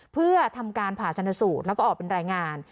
เพื่อทำการผ่าชนสูตรแล้วก็ออกเป็นรายงาน